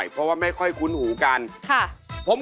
สวัสดีครับ